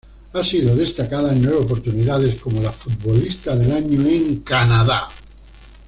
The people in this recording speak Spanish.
Ha sido destacada en nueve oportunidades como la Futbolista del año en Canadá.